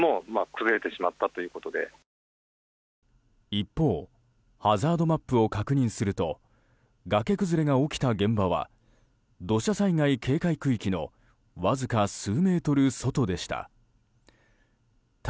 一方、ハザードマップを確認すると崖崩れが起きた現場は土砂災害警戒区域のわずか数メートル外でした。